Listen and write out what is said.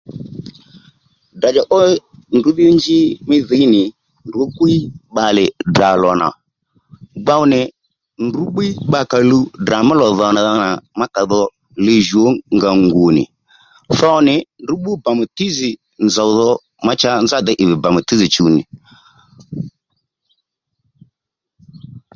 Ddrà-dzà ó ndrǔ dhí njí mí dhǐy nì ndrǔ gwíy bbalè Ddrà lò nà gbow nì ndrǔ bbíy bbakǎ luw Ddrà mí lò dhòdha nà má kàdho li jùw ónga ngù nì tho nì ndrǔ bbú bàmtízì nzòw dho ma cha děy nzá ì bì bàmtízì chùw nì